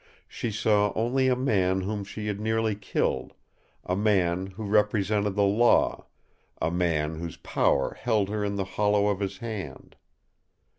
She saw only a man whom she had nearly killed, a man who represented the Law, a man whose power held her in the hollow of his hand.